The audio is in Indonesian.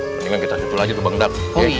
mendingan kita tutup aja ke bangdak